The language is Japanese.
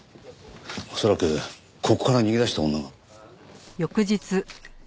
恐らくここから逃げ出した女が。